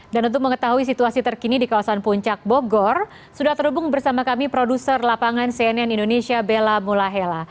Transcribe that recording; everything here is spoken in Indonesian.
dan untuk mengetahui situasi terkini di kawasan puncak bogor sudah terhubung bersama kami produser lapangan cnn indonesia bella mulahela